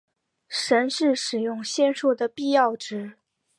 神是使用仙术的必要值。